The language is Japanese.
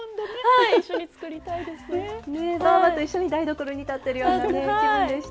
ねえばぁばと一緒に台所に立ってるようなね気分でした。